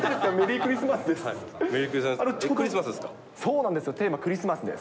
クリスマそうなんですよ、テーマ、クリスマスです。